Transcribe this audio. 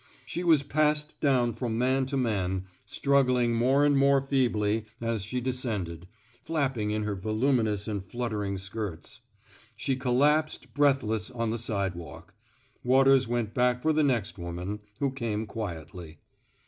She was passed down from man to man, struggling more and more feebly as she descended, flapping in her voluminous and fluttering skirts. She collapsed, breathless, on the sidewalk. Waters went back for the next woman, who came quietly.